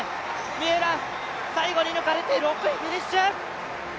三浦、最後に抜かれて、６位フィニッシュ。